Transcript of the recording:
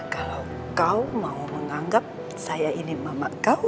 kalau kau mau menganggap saya ini mama kau